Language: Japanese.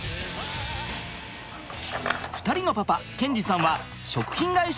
２人のパパ賢二さんは食品会社に勤務。